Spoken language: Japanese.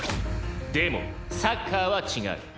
でもサッカーは違う。